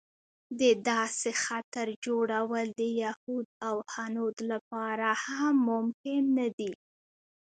د داسې خطر جوړول د یهود او هنود لپاره هم ممکن نه دی.